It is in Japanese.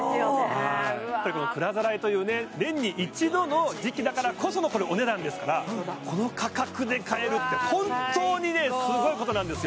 うわあ蔵ざらえという年に一度の時期だからこそのお値段ですからこの価格で買えるって本当にすごいことなんですよ